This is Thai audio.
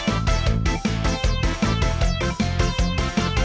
อัลล่ะฝังว่าจะทำอะไรเนี่ย